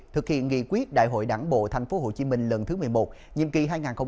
thực hiện nghị quyết đại hội đảng bộ tp hcm lần thứ một mươi một nhiệm kỳ hai nghìn hai mươi hai nghìn hai mươi năm